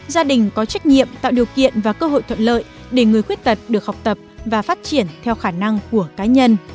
gia đình có trách nhiệm tạo điều kiện và cơ hội thuận lợi để người khuyết tật được học tập và phát triển theo khả năng của cá nhân